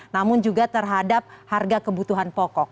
namun juga terhadap harga kebutuhan pokok